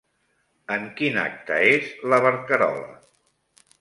En quin acte és la barcarola?